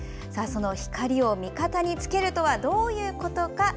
その光を味方につけるとはどういうことか。